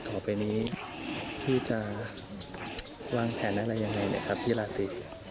ต่อไปนี้พี่จะวางแผ่นอะไรอย่างไรพี่ราชตรี